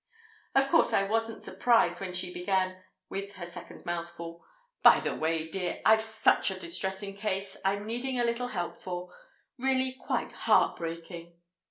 Of course I wasn't surprised when she began, with her second mouthful, "By the way, dear, I've such a distressing case I'm needing a little help for; really quite heart breaking."